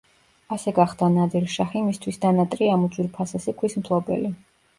ასე გახდა ნადირ–შაჰი მისთვის ნანატრი ამ უძვირფასესი ქვის მფლობელი.